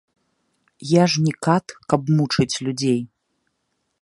Я ж не кат, каб мучыць людзей.